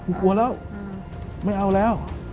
กลัวแล้วไม่เอาแล้ว